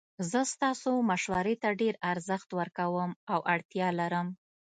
زه ستاسو مشورې ته ډیر ارزښت ورکوم او اړتیا لرم